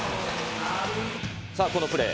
さあ、このプレー。